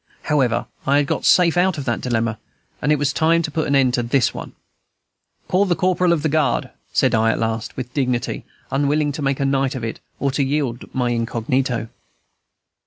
However, I had got safe out of that dilemma, and it was time to put an end to this one, "Call the corporal of the guard," said I at last, with dignity, unwilling to make a night of it or to yield my incognito.